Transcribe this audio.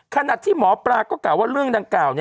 ขณะที่หมอปลาก็กล่าวว่าเรื่องดังกล่าว